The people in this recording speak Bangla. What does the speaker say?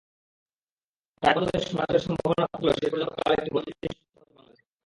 তায়কোয়ান্দোতে সোনা জয়ের সম্ভাবনা থাকলেও শেষ পর্যন্ত কাল একটি ব্রোঞ্জ নিশ্চিত হয়েছে বাংলাদেশের।